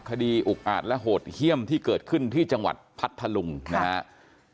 อุกอาจและโหดเยี่ยมที่เกิดขึ้นที่จังหวัดพัทธลุงนะครับ